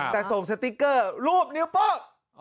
แต่ส่งสติ๊กเกอร์รูปนิ้วโป๊ะ